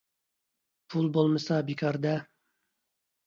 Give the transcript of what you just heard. پۇل بولمىسا بىكار - دە!